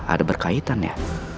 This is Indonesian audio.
ada berkaitan ya